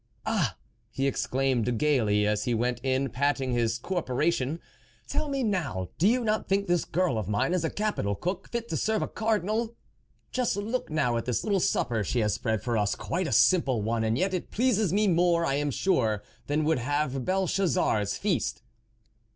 " Ah !" he exclaimed gaily as he went in, patting his corporation, " tell me now, do you not think this girl of mine is a capital cook, fit to serve a Cardinal ? Just THE WOLF LEADER 57 look now at this little supper she has spread for us ; quite a simple one, and yet it pleases me more, I am sure, than would have Belshazzar's feast."